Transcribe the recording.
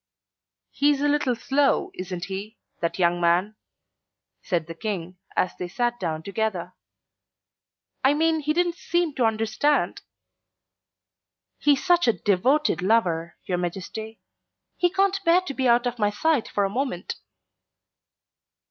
"He is a little slow, isn't he, that young man?" said the King, as they sat down together. "I mean he didn't seem to understand " "He's such a devoted lover, your Majesty. He can't bear to be out of my sight for a moment."